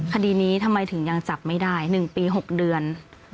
คดีนี้ทำไมถึงยังจับไม่ได้๑ปี๖เดือน